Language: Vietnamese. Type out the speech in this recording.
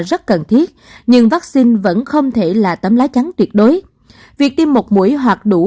rất cần thiết nhưng vaccine vẫn không thể là tấm lá chắn tuyệt đối việc tiêm một mũi hoặc đủ